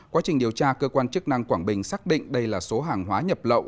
quá trình điều tra cơ quan chức năng quảng bình xác định đây là số hàng hóa nhập lậu